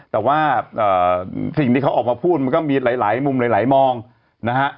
แต่ว่าสิ่งที่เขาออกมาพูดมันก็มีหลายมุมหลายมองนะฮะ